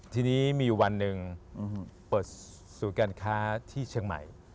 ทีนี้มีอยู่วันหนึ่งเปิดศูนย์การค้าที่เชียงใหม่